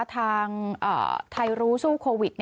ทางไทยรู้สู้โควิด